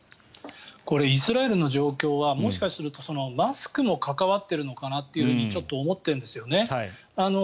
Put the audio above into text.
これ、イスラエルの状況はもしかしたらマスクも関わっているのかなとちょっと思ってるんですよね。